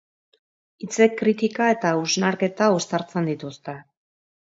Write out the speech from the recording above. Hitzek kritika eta hausnarketa uztartzen dituzte.